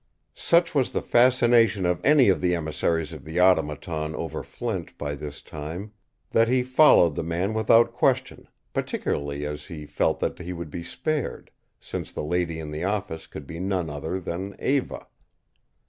Such was the fascination of any of the emissaries of the Automaton over Flint by this time that he followed the man without question, particularly as he felt that he would be spared, since the lady in the office could be none other than Eva.